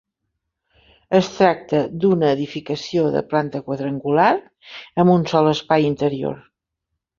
Es tracta d'una edificació de planta quadrangular amb un sol espai interior.